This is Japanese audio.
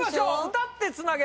歌ってつなげ！